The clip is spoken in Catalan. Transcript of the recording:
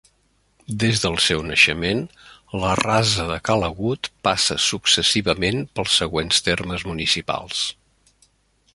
Des del seu naixement, la Rasa de Ca l'Agut passa successivament pels següents termes municipals.